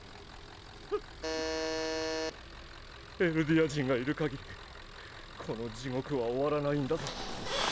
エルディア人がいる限りこの地獄は終わらないんだぞ。